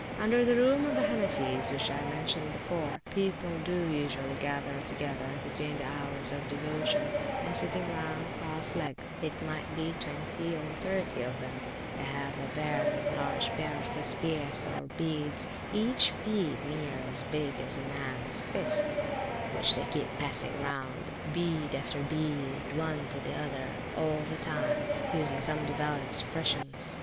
Under the room of the Hanifees (which I mentioned before), people do usually gather together (between the hours of devotion), and sitting round cross legged, it may be, twenty or thirty of them, they have a very large pair of Tessbeehs, or beads, each bead near as big as a mans fist, which they keep passing round, bead after bead, one to the other, all the time, using some devout expressions.